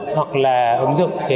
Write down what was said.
hoặc là ứng dụng